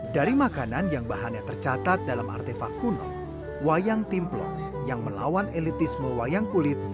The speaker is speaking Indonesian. dari makanan yang bahannya tercatat dalam artefak kuno wayang timplo yang melawan elitisme wayang kulit